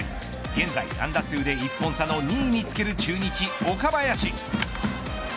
現在、安打数で１本差の２位につける中日、岡林。